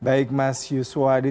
baik mas yuswadi